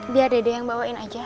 biar dede yang bawain aja